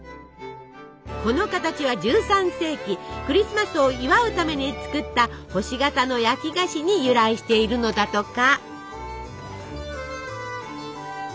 この形は１３世紀クリスマスを祝うために作った星形の焼き菓子に由来しているのだとか。